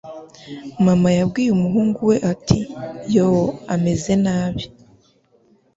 Mama yabwiye umuhungu we ati: "Yoo, ameze nabi".